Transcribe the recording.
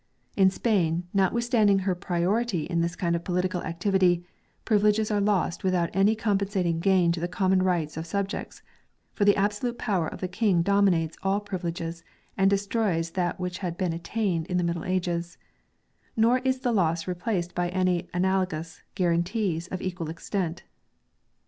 In Spain, notwithstanding her priority in this kind of political activity, privileges are lost without any com pensating gain to the common rights of subjects ; for the absolute power of the King dominates all privi leges, and destroys that which had been attained in the Middle Ages ; nor is the loss replaced by any analogous guarantees of equal extent.